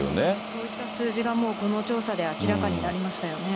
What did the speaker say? そういった数字がもうこの調査で明らかになりましたよね。